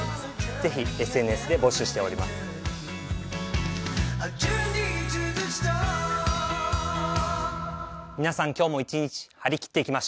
ぜひＳＮＳで募集しております。